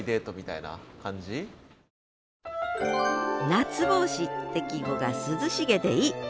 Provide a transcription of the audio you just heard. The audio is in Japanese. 「夏帽子」って季語が涼しげでいい。